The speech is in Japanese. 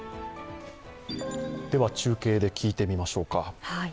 中継で聞いてみましょうか。